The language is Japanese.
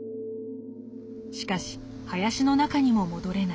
しかし林の中にも戻れない。